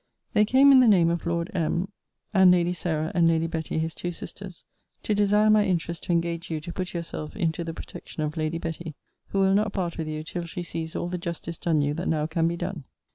They came in the name of Lord M. and Lady Sarah and Lady Betty his two sisters, to desire my interest to engage you to put yourself into the protection of Lady Betty; who will not part with you till she sees all the justice done you that now can be done.